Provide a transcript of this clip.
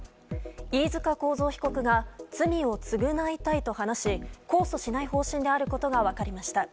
飯塚幸三被告が罪を償いたいと話し控訴しない方針であることが分かりました。